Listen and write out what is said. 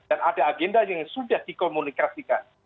dan ada agenda yang sudah dikomunikasikan